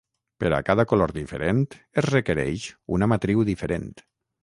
Per a cada color diferent es requereix una matriu diferent.